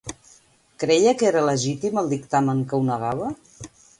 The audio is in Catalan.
Creia que era legítim el dictamen que ho negava?